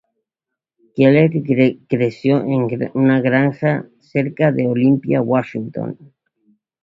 Keller creció en una granja cerca de Olympia, Washington.